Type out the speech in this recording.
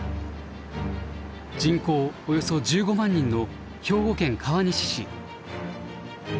人口およそ１５万人の兵庫県川西市。